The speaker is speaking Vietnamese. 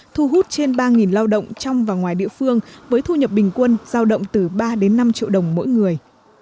thu hút trên ba lao động trong và ngoài địa phương với thu nhập bình quân giao động từ ba đến năm triệu đồng mỗi người